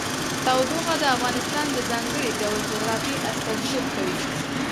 تودوخه د افغانستان د ځانګړي ډول جغرافیه استازیتوب کوي.